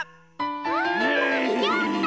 わあやった！